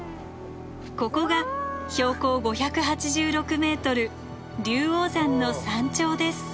ここが標高５８６ｍ龍王山の山頂です。